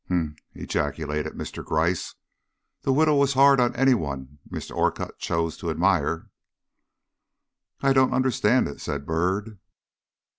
"Humph!" ejaculated Mr. Gryce. "The widow was hard on any one Mr. Orcutt chose to admire." "I don't understand it," said Byrd.